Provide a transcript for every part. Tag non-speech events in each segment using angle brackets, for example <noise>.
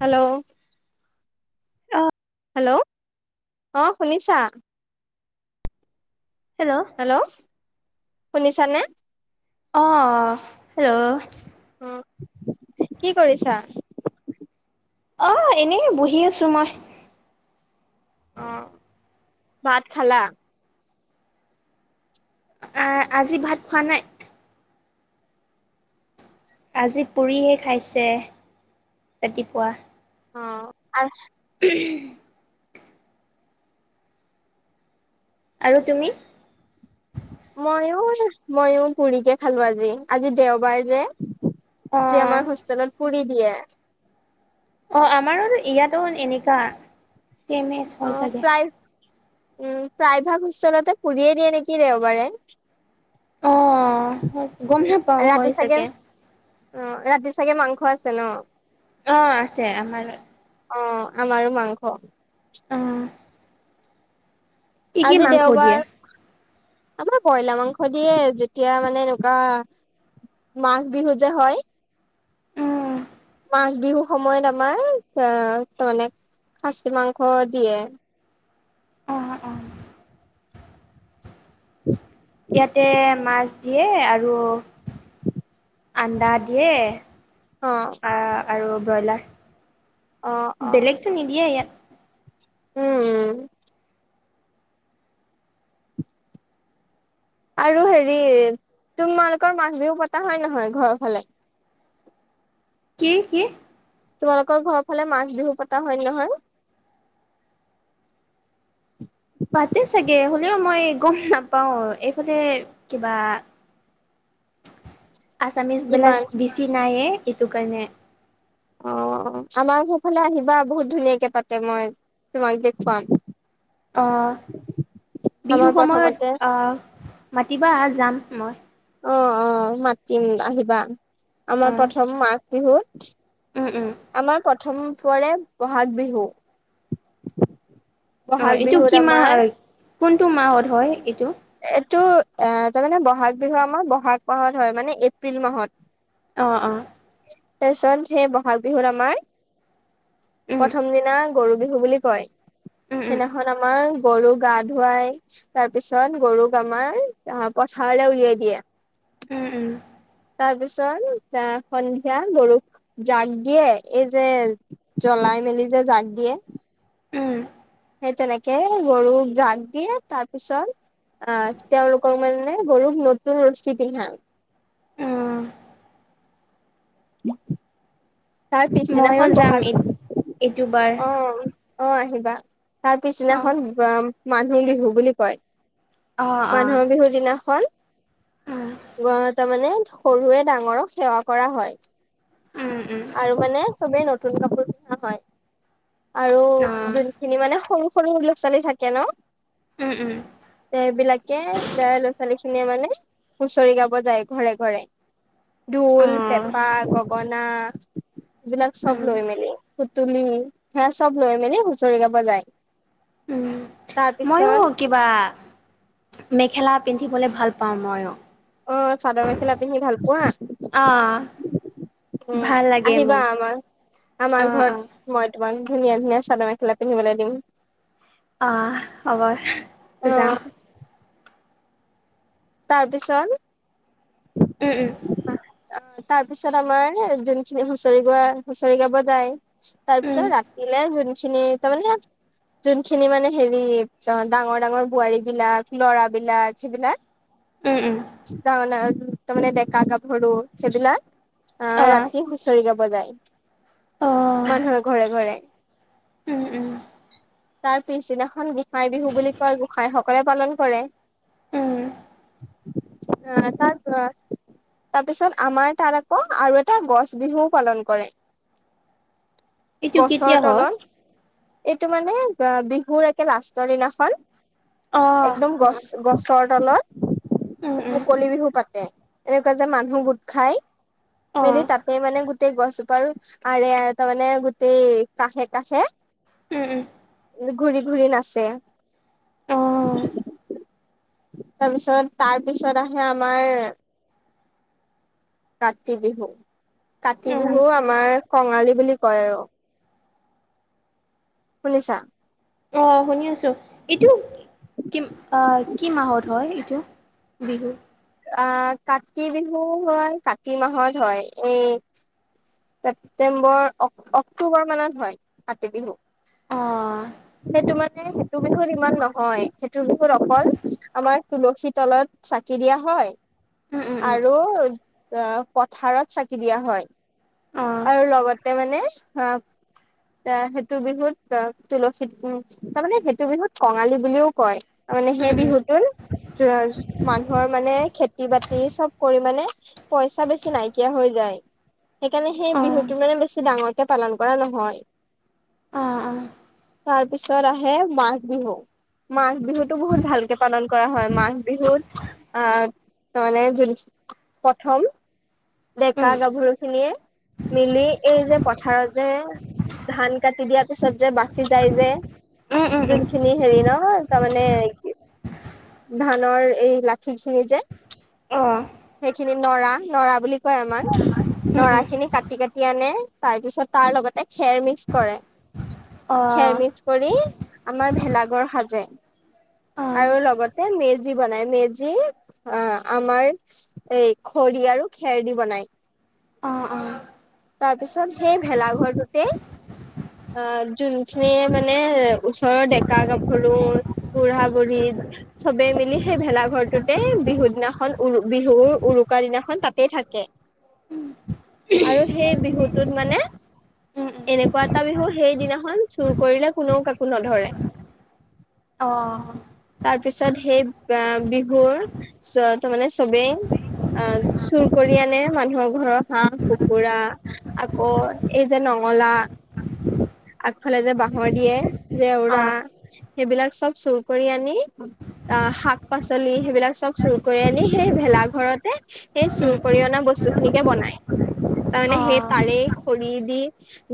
Hello অ hello অঁ শুনিছা? হেল্ল' শুনিছানে? অঁহ হেল্ল'! অ কি কৰিছা? অহ এনেই, বহি আছোঁ মই। অঁ ভাত খালা? আজি ভাত খোৱা নাই। আজি পুৰিহে খাইছে ৰাতিপুৱা। অ <inaudible> আৰু তুমি? মইয়ো মইয়ো পুৰিকে খালো আজি আজি দেওবাৰ যে অ আজি আমাৰ হোষ্টেলৰ পুৰি দিয়ে। অ আমাৰো ইয়াতো এনেকা <unintelligible> ছেম এ অ হয় চাগে। প্ৰায় উম প্ৰায়ভাগ হোষ্টেলতে পুৰিয়ে দিয়ে নেকি দেওবাৰে। অ গম নেপাও হয় চাগে। অ ৰাতি চাগে মাংস আছে ন। অ আছে আমাৰ। অ আমাৰো মাংস। অ কি কি আজি মাংস দেওবাৰ দিয়ে? আমাৰ বইলা মাংস দিয়ে যেতিয়া মানে এনেকুৱা মাঘ বিহু যে হয় উম মাঘ বিহুৰ সময়ত আমাৰ আহ তাৰ মানে খাচী মাংস দিয়ে অ অ উম ইয়াতে মাছ দিয়ে আৰু আন্দা দিয়ে অ আৰু ব্ৰইলাৰ অ অ বেলেগটো নিদিয়ে ইয়াত উম। আৰু হেৰি তোমালোকৰ মাঘ বিহু পতা হয় নহয় ঘৰৰ ফালে? কি কি? তোমালোকৰ ঘৰৰ ফালে মাঘ বিহু পতা হয় নে নহয়? <inaudible> পাতে চাগে <unintelligible> পাতিলেও মই গম নাপাওঁ এইফালে কিবা আছামিছবিলাক ইমান বেছি নাইয়ে এইটো কাৰণে। অ আমাৰ ঘৰৰ ফালে আহিবা বহুত ধুনীয়াকে পাতে মই তোমাক দেখুৱাম। আহ আমাৰ বিহুৰ প্ৰথমতে সময়ত আহ মাতিবা যাম। মই অ অ মাতিম আহিবা আমাৰ অঁ প্ৰথম মাঘ বিহুত উম উম আমাৰ প প্ৰথম পৰে বহাগ বিহু। অ বহাগ এইটো বিহুত কি মাহ আমাৰ কোনটো মাহত হয় এইটো? এইটো এ তাৰমানে ব'হাগ বিহু আমাৰ বহাগ মাহত হয় মানে, এপ্ৰিল মাহত। অ অ। তাৰ পিছত সেই বহাগ বিহুত আমাৰ উম প্ৰথম দিনা গৰু বিহু বুলি কয়, উম উম সেইদিনাখন আমাৰ গৰু গা ধুৱাই তাৰ পিছত গৰুক আমাৰ আহ পথাৰলৈ উলিয়াই দিয়ে। উম উম। তাৰপিছত এ সন্ধিয়া গৰুক জাক দিয়ে এই যে জ্বলাই মেলি যে জাক দিয়ে। উম সেই তেনেকে গৰুক জাক দিয়ে তাৰপিছত আহ তেওঁলোকৰ মানে গৰুক নতুন ৰচি পিন্ধাওঁ। <inaudible> উম তাৰ ময়ো পিছদিনাখন যাম ব'হাগ এই এইটোবাৰ অ অ আহিবা তাৰ অঁ পিছদিনাখন মানুহ বিহু বুলি কয়। অঁ অঁ মানুহৰ বিহুৰ দিনাখন উম গ তাৰ মানে সৰুৱে ডাঙৰক সেৱা কৰা হয় উম উম আৰু মানে চবেই নতুন কাপোৰ পিন্ধা হয়। আৰু অঁ যোনখিনি মানে সৰু সৰু লোক ছোৱালী থাকে ন। উম উম সেইবিলাকে ল'ৰা ছোৱালী মানে হুঁচৰি গাব যায় ঘৰে ঘৰে। অঁ ঢোল, পেপা, গগনা এইবিলাক চব উম লৈ মেলি। তুলি সেয়া চব লৈ মেলি হুঁচৰি গাব যায়। উম তাৰ মইওঁ পিছত কিবা মেখেলা পিন্ধিবলৈ ভাল পাওঁ ময়ো। অ চাদৰ মেখেলা পিন্ধি ভাল পোৱা? অ', ভাল উম লাগে আহিবা মোক আমাৰ আমাৰ অ', অ', ঘৰত। মই ইমান ধুনীয়া ধুনীয়া চাদৰ মেখেলা পিন্ধিবলে দিম। আহ হ'ব যাম। তাৰ পিছত উম উম। অ তাৰ পিছত আমাৰ যোনখিনি হুঁচৰি গোৱা, হুঁচৰি গাব যায়। উম, তাৰপিছত ৰাতিলে যোনখিনি তাৰমানে যোনখিনি মানে হেৰি অ ডাঙৰ ডাঙৰ বোৱাৰী বিলাক লৰাবিলাক সেইবিলাক উম, উম, ত তাৰমানে ডেকা গাভৰু সেইবিলাক আহ অ', ৰাতি হুচৰি গাব যায় অ', মানুহৰ ঘৰে ঘৰে। উম - উম। তাৰ পিছদিনাখন গোঁসাই বিহু বুলি কয়, গোঁসাইসকলে পালন কৰে। উম। অ'- তাৰ <unintelligible> তাৰ পিছত আমাৰ তাৰ আকৌ আৰু এটা গছ বিহুও পালন কৰে। এইটো গছৰ কেতিয়া হয়? তলত এইটো মানে বিহুৰ একে লাষ্টৰ দিনাখন, অ', একদম গছ অ', গছৰ তলত উম, উম, মুকলি বিহু পাতে এনেকুৱা যে মানুহ গোট খাই মেলি অ', তাতে মানে গো গোটেই গছজোপাৰো আৰে তাৰমানে গোটেই কাষে-কাষে উম উম। ঘূৰি-ঘূৰি নাচে, অ', তাৰপিছত তাৰপিছত আহে আমাৰ কাতি বিহু কাতি উম। বিহু আমাৰ কঙালী বুলি কয় আৰু শুনিছা? অ', শুনি আছোঁ এইটো কিম আহ কি মাহত হয় এইটো বিহু? আহ কাতি বিহু হয় কাতি মাহত হয়। উম ছেপ্তেম্বৰ অক্টোবৰ মানত হয় কাতি বিহু। অ', সেই তোমাক এহ সেইটো বিহুত ইমান নহয় সেইটো বিহুত অকল আমাৰ তুলসী তলত চাকি দিয়া হয় উম, উম, উম, আৰু পথাৰত চাকি দিয়া হয়। অ', আৰু লগতে মানে হা এহ সেইটো বিহুত অহ তুলসী তাৰমানে সেইটো বিহুত কঙালী বুলিও কয়। মানে উম, সেই উম, বিহুটোৰ মানুহৰ মানে খেতি-বাতি চব কৰি মানে পইচা বেছি নাইকীয়া হৈ যায়, সেইকাৰণে সেই অ'। বিহুতো মানে বেছি ডাঙৰকে পালন কৰা নহয়। আহ আহ। তাৰ পিছত আহে মাঘ বিহু, মাঘ বিহুতটো বহুত ভালকে পালন কৰা হয় মাঘ বিহুত আহ তাৰ মানে যদি প্ৰথম ডেকা গাভৰু খিনিয়ে মিলি এই যে পথাৰত যে ধান কাটি দিয়াৰ পিছত যে বাচি যায় যে যোনখিনি হেৰি ন' তাৰমানে কি ধানৰ এই লাঠি খিনি যে, অ' খিনি নৰা নৰা বুলি কয় আমাৰ নৰা খিনি কাটি কাটি আনে তাৰ পিছত তাৰ লগতে খেৰ মিক্স কৰে খেৰ মিক্স কৰি আমাৰ ভেলাঘৰ সাজে‌। আৰু লগতে মেজ মেজি বনাই মেজি অ' আমাৰ এই খৰি আৰু খেৰদি বনাই। অ অ তাৰপিছত সেই ভেলাঘৰটোতে অ' যোনখিনিয়ে মানে ওচৰৰ ডেক- গাভৰু বুঢ়া-বুঢ়ী চবে মিলি সেই ভেলা ঘৰটোতে বিহু দিনাখন উৰু বিহুৰ উৰুকা দিনাখন তাতেই থাকে। আৰু উহু সেই বিহুটোত মানে এনেকুৱা এটা বিহু সেইদিনাখন চুৰ কৰিলে কোনেও কাকো নধৰে। অ তাৰপিছত সেই বিহুৰ তাৰ মানে চবেই অ' চুৰ কৰি আনে মানুহৰ ঘৰৰ হাঁহ-কু কুকুৰা, আকৌ এই যে নঙলা আগফালে যে বাঁহৰ দিয়ে জেওৰা সেইবিলাক চব চুৰ কৰি আনি আহ শাক পাচলি সেইবিলাক চব চুৰ কৰি আনি সেই ভেলাঘৰতে সেই চুৰ কৰি অনা বস্তু সেনেকে বনাই, তাৰমানে সেই তাৰে খৰি তি‌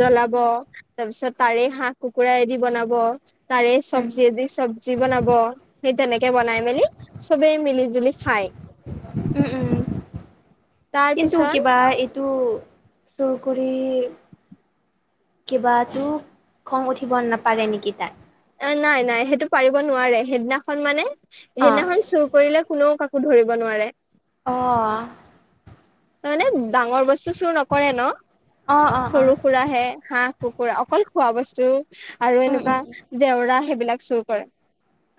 জলাব, তাৰপিছত তাৰে হাঁহ কুকুৰা এদি বনাব তাৰে চব্জি দি চব্জি বনাব। সেই তেনেকে বনাই মেলি চবেই মিলি জুলি খায়‌। উম উম। তাৰ কিন্তু পিছত কিবা এইটো চোৰ কৰি কিবাতো খং উঠিব নাপাৰে নেকি তাক। অ' নাই নাই সেইটো পাৰিব নোৱাৰে সেইদিনাখন মানে অঁ সেইদিনাখন চুৰ কৰিলে কোনেও কাক কো ধৰিব নোৱাৰে। অ' আ। তা মানে ডাঙৰ বস্তু চুৰ নকৰে ন অঁ অঁ অঁ সৰু সুৰাহে, হাঁহ কুকুৰা, অকল খোৱা বস্তু আৰু উম এনেকুৱা উম জেওৰা সেইবিলাক চুৰ কৰে।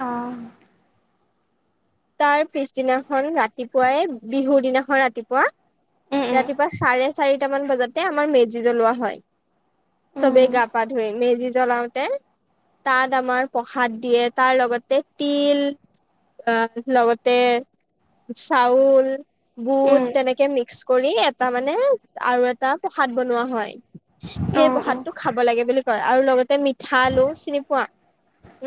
অহ। তাৰ পিছদিনাখন ৰাতিপুৱাই বিহুৰ দিনাখন ৰাতিপুৱা উম উম ৰাতিপুৱা চাৰে চাৰিটামান বজাতে আমাৰ মেজি জ্বলোৱা হয়। চবেই উম গা-পা ধুয়ে মেজি জলাওতে। তাত আমাৰ প্ৰসাদ দিয়ে, তাৰ লগতে তিল আ লগতে চাউল, বুট উম তেনেকে মিক্স কৰি এটা মানে আৰু এটা প্ৰসাদ বনোৱা হয়। সেই অঁ অঁ প্ৰসাদটো খাব লাগে বুলি কয় আৰু লগতে মিঠা আলু চিনি পোৱা?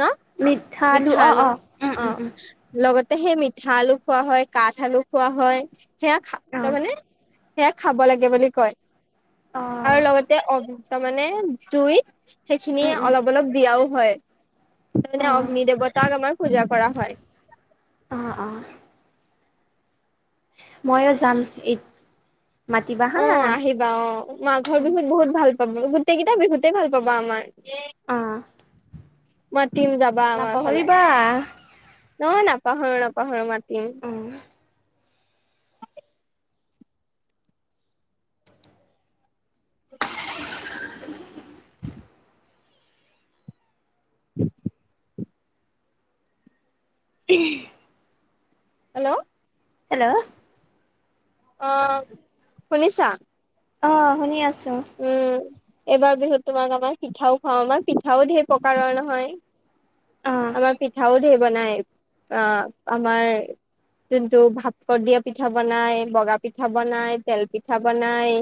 ন' মিঠালু মিঠা অঁ আলু অঁ উম উম অ'। উম ‌ লগত সেই মিঠা আলু খোৱা হয় কাঠ আলু খোৱা হয় সেয়াা তাৰ অঁ মানে সেয়া খাব লাগে বুলি কয় আৰু অঁ লগতে অম তাৰ মানে জুইত সেইখিনি উম উম অলপ অলপ দিয়াও হয়ানে অঁ অগ্নি দেৱতাক আমাৰ পূজা কৰা হয় অ' অ'। ময়ো যাম এই অ' আহিবা অ মাঘৰ বিহুত বহুত ভাল পাবা, গোটেই কেইটা বিহুতে ভাল পাবা আমাৰ। আহ। মাতিম যাবা আমাৰ ফালে। <unintelligible> পাহৰ ন পাহৰা মাতিম উম <inaudible> উম হেল্ল'। হেল্ল' অ' শুনিছা? আহ শুনি আছো উম এইবাৰ বিহুত তোমাক আমাৰ পিঠাও খুৱাম, আমাৰ পিঠাও ধেৰ প্ৰকাৰৰ নহয়। অঁ আমাৰ পিঠাও ধেৰ বনাই। অ' আমাৰ যোনটো ভাপত দিয়া পিঠা বনাই, বগা পিঠা বনাই, তেল পিঠা বনাই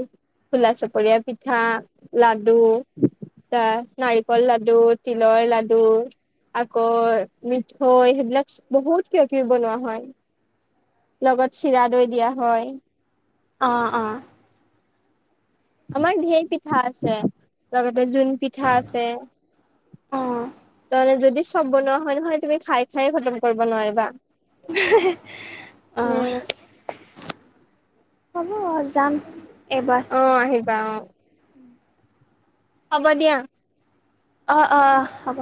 খোলা চপৰীয়া পিঠা, লাডু এ নাৰিকল লাডু তিলৰ লাডু। আকৌ মিঠৈ সেইবিলাক বহুত কিয় কিব বনোৱা হয়। লগত চিৰা দৈ দিয়া হয়। অ' অ'। আমাৰ ঢেৰ পিঠা আছে। লগত‌ বে জোন পিঠা আছে অঁ তাৰমানে যদি চব বনোৱা হয় নহয়। তুমি খাই খাইে খতম কৰিব নোৱাৰিবা অঁ উম হ'ব যাম। এইবাৰ অ আহিবা অ হ'ব দিয়া। অ' অ' হ'ব।